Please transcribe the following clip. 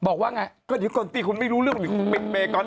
บอกว่าไงก็ที่คนตีคุณไม่รู้เรื่องคุณปิดเบย์ก่อน